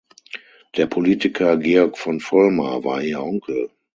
Der Politiker Georg von Vollmar war Ihr Onkel.